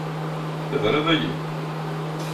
Tebriḍ-iyi.